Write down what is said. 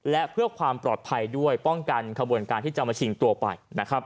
และเพื่อความปลอดภัยด้วยป้องกันขบวนการที่จะมาชิงตัวไปนะครับ